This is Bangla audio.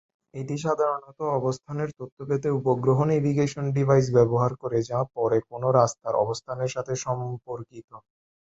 এটি সাধারণত অবস্থানের তথ্য পেতে উপগ্রহ নেভিগেশন ডিভাইস ব্যবহার করে যা পরে কোনও রাস্তার অবস্থানের সাথে সম্পর্কিত।